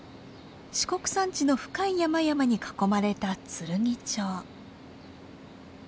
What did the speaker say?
四国山地の深い山々に囲まれたつるぎ町。